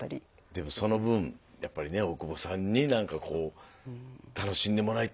でもその分やっぱりね大久保さんになんかこう楽しんでもらいたいっていうのは。